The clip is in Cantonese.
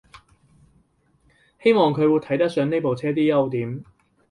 希望佢會睇得上呢部車啲優點